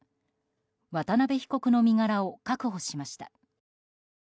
渡辺被告の身柄を確保しました。